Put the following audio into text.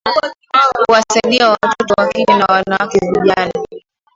kuwasaidia watoto wa kike na wanawake vijana